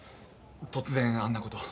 突然あんなことを。